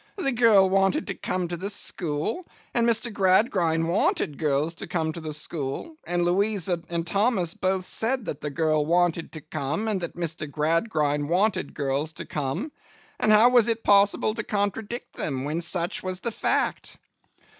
'The girl wanted to come to the school, and Mr. Gradgrind wanted girls to come to the school, and Louisa and Thomas both said that the girl wanted to come, and that Mr. Gradgrind wanted girls to come, and how was it possible to contradict them when such was the fact!